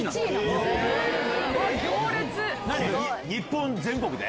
日本全国で？